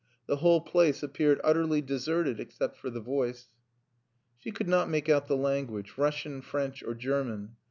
The whole place appeared utterly deserted except for the voice." She could not make out the language Russian, French, or German.